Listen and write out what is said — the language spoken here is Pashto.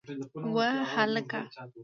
وه هلکه!